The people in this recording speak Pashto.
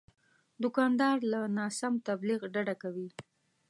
دوکاندار له ناسم تبلیغ ډډه کوي.